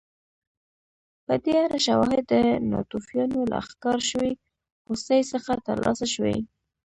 په دې اړه شواهد د ناتوفیانو له ښکار شوې هوسۍ څخه ترلاسه شوي